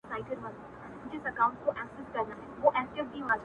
هر چاته سايه د تور پيكي وركـوي تـــا غــواړي ـ